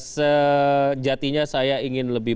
sejatinya saya ingin lebih